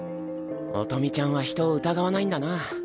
音美ちゃんは人を疑わないんだな。